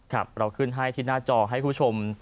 ครับเราขึ้นให้ที่หน้าจอให้คุณผู้ชม